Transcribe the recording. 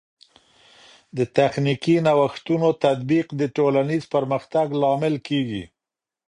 د تخنیکي نوښتونو تطبیق د ټولنیز پرمختګ لامل کیږي.